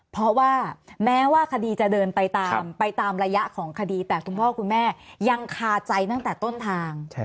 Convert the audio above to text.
เพราะว่าแม้ว่าคดีจะเดินไปตามไปตามระยะของคดีแต่คุณพ่อคุณแม่ยังคาใจตั้งแต่ต้นทาง